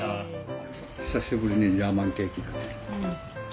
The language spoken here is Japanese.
久しぶりにジャーマンケーキだね。